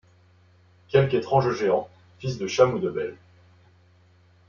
Quelque étrange géant, fils de Cham ou de Bel